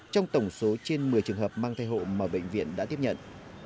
trong tổng số trên một mươi trường hợp mang thai hộ mà bệnh viện đã tiếp nhận